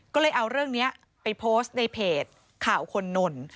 ก็เลยเอาเรื่องนี้ไปโพสต์ในเพจข่าวคนนน